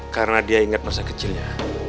karena dia inget masa kecilnya